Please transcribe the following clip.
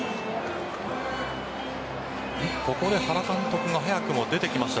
ここで原監督が早くも出てきました。